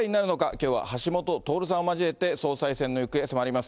きょうは橋下徹さんを交えて、総裁選の行方、迫ります。